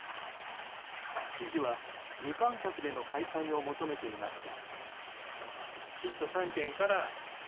知事は、無観客での開催を求めていました。